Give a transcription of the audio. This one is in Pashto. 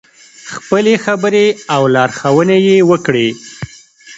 خپلې خبرې او لارښوونې یې وکړې.